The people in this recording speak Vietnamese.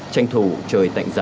tranh thủ trời tạnh giáo